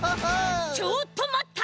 ちょっとまった！